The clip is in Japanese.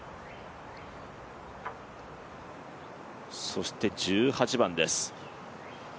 そして１８番です。